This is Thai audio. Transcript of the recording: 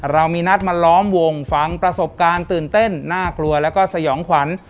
เรามีนัดมาล้อมวงฟังประสบการณ์ตื่นเต้นน่ากลัวแล้วก็สยองขวัญ